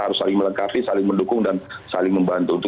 harus saling melengkapi saling mendukung dan saling membantu